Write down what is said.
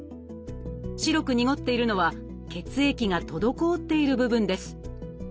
白く濁っているのは血液が滞っている部分です。